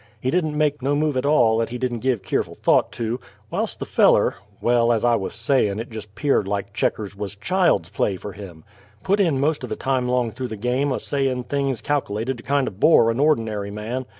He didn't make no move at all 'at he didn't give keerful thought to; whilse the feller ! well, as I wuz sayin', it jest 'peared like Checkers wuz child's play fer him! Putt in most o' the time 'long through the game a sayin' things calkilated to kindo' bore a' ordinary man.